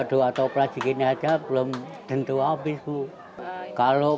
dua topra segini aja belum tentu abis bu kalau